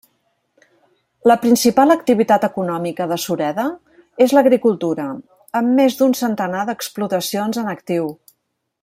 La principal activitat econòmica de Sureda és l'agricultura, amb més d'un centenar d'explotacions en actiu.